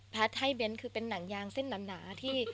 แพทย์ให้เบ้นท์คือเป็นหนังยางเส้นหนา